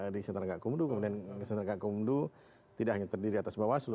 di senarangga kumdu kemudian di senarangga kumdu tidak hanya terdiri atas bawaslu